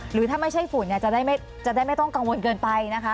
หรือถ้าไม่ใช่ฝุ่นจะได้ไม่ต้องกังวลเกินไปนะคะ